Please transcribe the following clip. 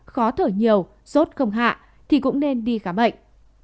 khó thở nhiều sốt không hạ thì cũng nên đi khám bệnh